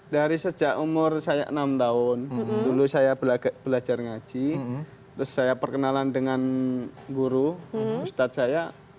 dari sejak umur saya enam tahun dulu saya belajar ngaji terus saya perkenalan dengan guru ustadz saya